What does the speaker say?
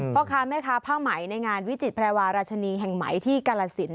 พ่อค้าแม่ค้าผ้าไหมในงานวิจิตแพรวาราชนีแห่งใหม่ที่กาลสิน